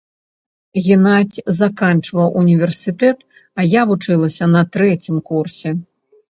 Генадзь заканчваў універсітэт, а я вучылася на трэцім курсе.